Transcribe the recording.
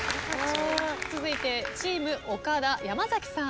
続いてチーム岡田山崎さん。